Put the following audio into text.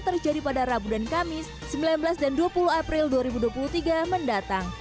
terjadi pada rabu dan kamis sembilan belas dan dua puluh april dua ribu dua puluh tiga mendatang